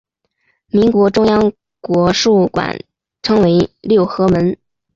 民国中央国术馆称为六合门。